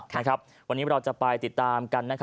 วันนี้เราจะไปติดตามกันนะครับ